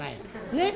ねっ。